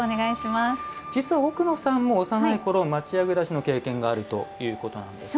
実は奥野さんも幼いころ町家暮らしの経験があるということなんですよね。